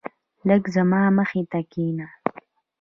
لږ زما مخی ته کينه